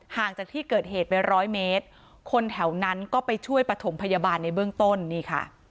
ห่างจากที่เกิดเหตุไปร้อยเมตรคนแถวนั้นก็ไปช่วยปฐมพยาบาลในเบื้องต้นนี่ค่ะ